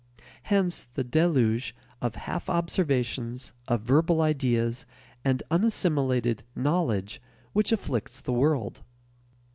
Hence the deluge of half observations, of verbal ideas, and unassimilated "knowledge" which afflicts the world.